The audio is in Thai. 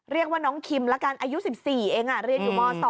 เรียกว่าน้องคิมละกันอายุ๑๔เองเรียนอยู่ม๒